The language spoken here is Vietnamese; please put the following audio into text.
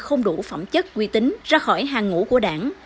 không đủ phẩm chất quy tính ra khỏi hàng ngũ của đảng